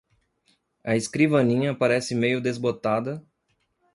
A escrivaninha parece meio desbotada